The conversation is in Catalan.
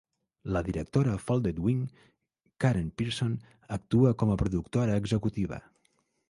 La directora de Folded Wing, Karen Pearson, actua com a productora executiva.